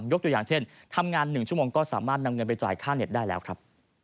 ตัวอย่างเช่นทำงาน๑ชั่วโมงก็สามารถนำเงินไปจ่ายค่าเน็ตได้แล้วครับ